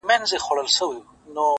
خدایه هغه مه اخلې زما تر جنازې پوري؛